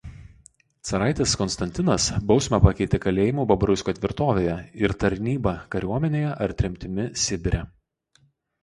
Caraitis Konstantinas bausmę pakeitė kalėjimu Babruisko tvirtovėje ir tarnyba kariuomenėje ar tremtimi Sibire.